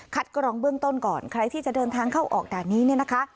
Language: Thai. กรองเบื้องต้นก่อนใครที่จะเดินทางเข้าออกด่านนี้เนี่ยนะคะ